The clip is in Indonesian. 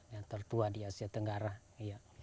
yang tertua di asia tenggara